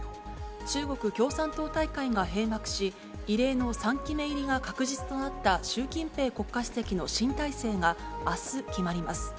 中国共産党大会が閉幕し、異例の３期目入りが確実となった習近平国家主席の新体制があす決まります。